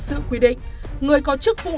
sự quy định người có chức vụ